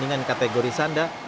pertandingan kategori santa